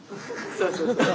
そうそうそう。